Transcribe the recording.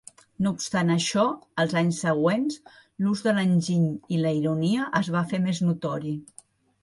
No obstant això, els anys següents, l'ús de l'enginy i la ironia es va fer més notori.